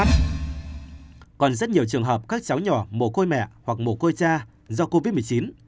trong nhiều trường hợp các cháu nhỏ mổ côi mẹ hoặc mổ côi cha do covid một mươi chín